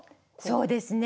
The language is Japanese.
そうですね